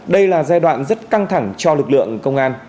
đây là giai đoạn rất căng thẳng cho lực lượng công an